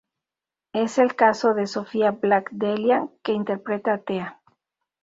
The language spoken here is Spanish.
Es el caso de Sofia Black-D’Elia, que interpreta a Tea.